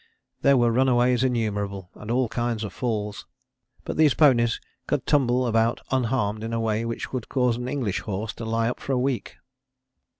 There were runaways innumerable, and all kinds of falls. But these ponies could tumble about unharmed in a way which would cause an English horse to lie up for a week.